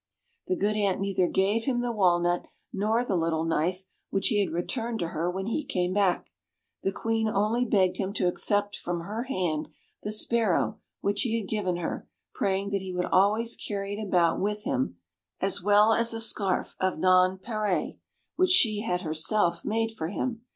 The good Ant neither gave him the walnut nor the little knife which he had returned to her when he came back: the Queen only begged him to accept from her hand the sparrow which he had given her, praying that he would always carry it about with him, as well as a scarf of nonpareille which she had herself made for him.